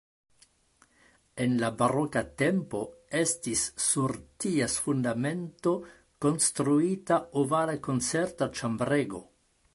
En la baroka tempo estis sur ties fundamento konstruita ovala koncerta ĉambrego.